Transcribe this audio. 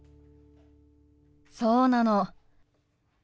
そうなの。